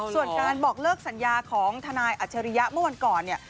ส่วนการบอกเลิกสัญญาของทนายอัจฉริยะเมื่อวันก่อนเนี่ย